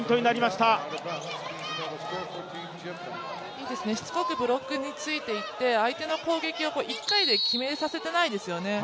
いいですね、しつこくブロックについていって相手の攻撃を１回で決めさせてないですよね。